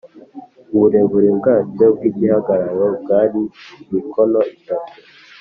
uburebure bwacyo bw’igihagararo bwari mikono itatu